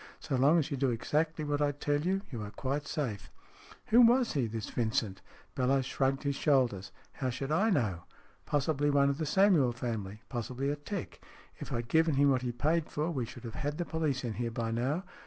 So long as you do exactly what I tell you, you are quite safe." " Who was he, this Vincent ?" Bellowes shrugged his shoulders. " How should I know ? Possibly one of the Samuel family. Possibly a 'tec. If I had given him what he had paid for, we should have had the police in here by now.